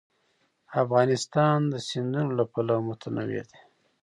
افغانستان د سیندونه له پلوه متنوع دی.